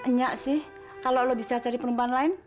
nyak sih kalo lo bisa cari perempuan lain